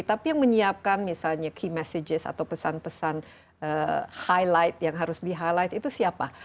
tapi yang menyiapkan misalnya key message atau pesan pesan highlight yang harus di highlight itu siapa